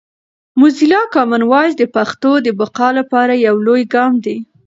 موزیلا کامن وایس د پښتو د بقا لپاره یو لوی ګام دی.